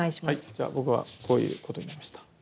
じゃあ僕はこういうことになりました。